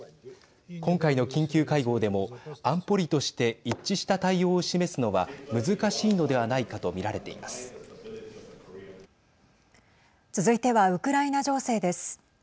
今回の緊急会合でも安保理として一致した対応を示すのは難しいのではないか続いてはウクライナ情勢です。